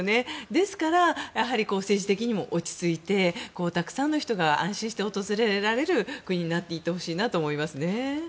ですから、政治的にも落ち着いてたくさんの人が安心して訪れられる国になっていってほしいなと思います。